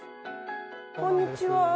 こんにちは。